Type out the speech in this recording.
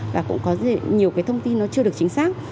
và cũng có nhiều cái thông tin nó chưa được chính xác